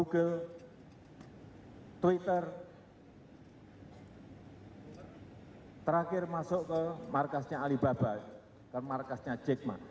google twitter terakhir masuk ke markasnya alibaba ke markasnya jack ma